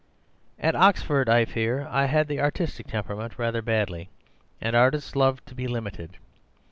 "At Oxford, I fear, I had the artistic temperament rather badly; and artists love to be limited.